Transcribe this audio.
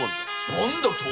何だと⁉